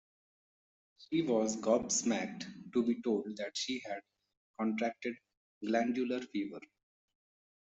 She was gobsmacked to be told that she had contracted glandular fever